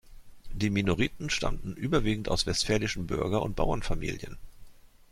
Die Minoriten stammten überwiegend aus westfälischen Bürger- und Bauernfamilien.